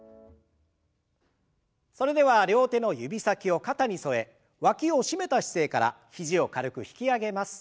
それでは両手の指先を肩に添えわきを締めた姿勢から肘を軽く引き上げます。